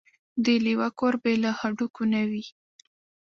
د لېوه کور بې له هډوکو نه وي.